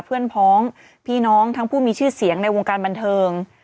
เพื่อนพ้องพี่น้องทั้งผู้มีชื่อเสียงในวงการบันเทิง